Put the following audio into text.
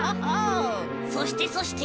そしてそして。